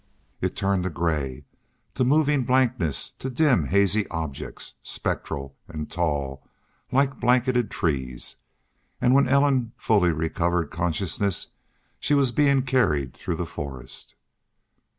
It turned to gray, to moving blankness, to dim, hazy objects, spectral and tall, like blanketed trees, and when Ellen fully recovered consciousness she was being carried through the forest.